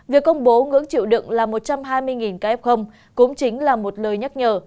việc công bố ngưỡng chịu đựng là một trăm hai mươi kf cũng chính là một lời nhắc nhở